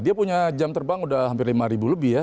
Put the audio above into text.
dia punya jam terbang udah hampir lima lebih ya